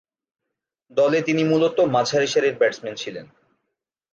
দলে তিনি মূলতঃ মাঝারিসারির ব্যাটসম্যান ছিলেন।